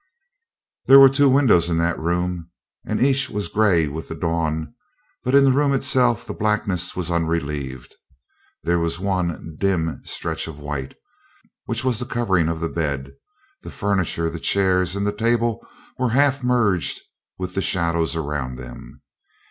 There were two windows in that room, and each was gray with the dawn, but in the room itself the blackness was unrelieved. There was the one dim stretch of white, which was the covering of the bed; the furniture, the chairs, and the table were half merged with the shadows around them.